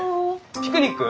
ピクニック？